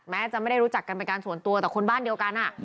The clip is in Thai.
แม้จะไม่ได้รู้จักกันเป็นการส่วนตัวแต่คนบ้านเดียวกัน